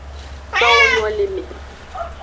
Towo nyo le me.